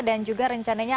dan juga rencananya